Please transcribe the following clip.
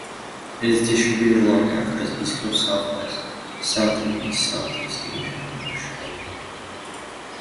It is distributed along Africa's east coast, south-west, south and south-east Asia, and Australia.